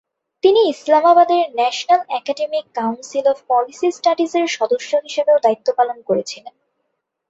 তিনি ইসলামাবাদের National Academic Council of Policy স্টাডিজের সদস্য হিসাবেও দায়িত্ব পালন করেছিলেন।